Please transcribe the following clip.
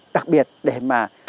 đặc biệt để mà